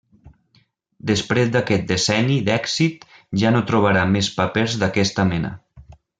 Després d'aquest decenni d'èxit, ja no trobarà més papers d'aquesta mena.